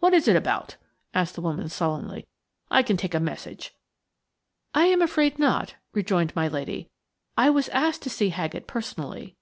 "What is it about?" asked the woman, sullenly. "I can take a message." "I am afraid not," rejoined my lady. "I was asked to see Haggett personally."